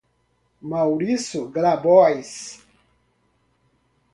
Mauricio Grabois